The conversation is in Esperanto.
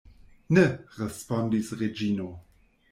Ne, respondis Reĝino.